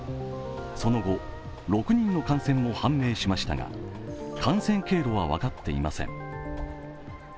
その後、６人の感染も判明しましたが、感染経路は分かっていません。